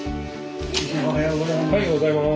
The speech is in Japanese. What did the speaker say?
おはようございます。